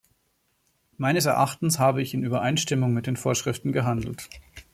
Meines Erachtens habe ich in Übereinstimmung mit den Vorschriften gehandelt.